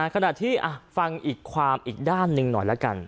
ขณะที่ฟังอีกความอีกด้านหนึ่งหน่อยละกัน